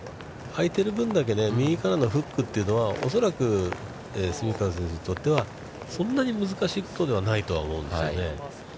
空いてる分だけね、右からのフックというのは、恐らく蝉川選手にとっては、そんなに難しいことではないと思うんですよね。